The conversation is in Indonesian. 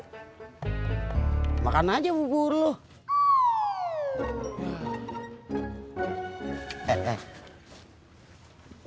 lu makannya bubur lu makannya bubur lu makannya bubur lu makannya bubur lu makannya bubur lu